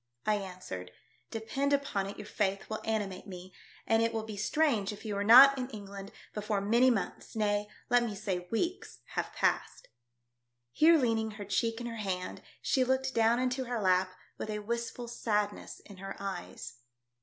I answered, " Depend upon it your faith will animate me, and it will be strange if you are not in England before many months, nay, let me say weeks, have passed." Here leaning her cheek in her hand she looked down into her lap with a wistful sadness in her eyes.